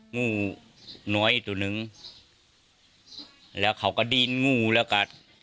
งูน้อยอีกตัวหนึ่งแล้วเขาก็ดินงูแล้วก็